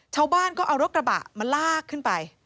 ชาวบ้านก็เอารถกระบะมาลากขึ้นไป